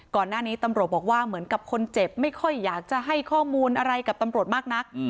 ก่อนหน้านี้ตำรวจบอกว่าเหมือนกับคนเจ็บไม่ค่อยอยากจะให้ข้อมูลอะไรกับตำรวจมากนัก